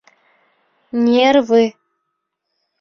Нервы!